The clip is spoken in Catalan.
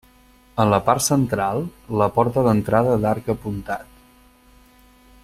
En la part central, la porta d'entrada d'arc apuntat.